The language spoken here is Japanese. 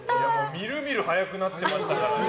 みるみる速くなってましたから。